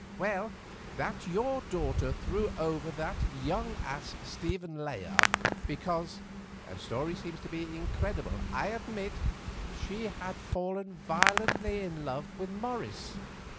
"Well, that your daughter threw over that young ass, Stephen Layard, because—the story seems to me incredible, I admit—she had fallen violently in love with Morris.